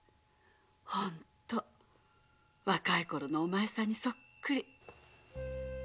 本当若いころのお前さんにそっくり。